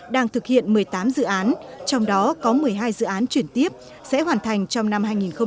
đang thực hiện một mươi tám dự án trong đó có một mươi hai dự án chuyển tiếp sẽ hoàn thành trong năm hai nghìn hai mươi